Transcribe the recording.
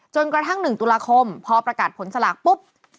จนกระทั่ง๑ตุลาคมพอประกาศผลสลากปุ๊บ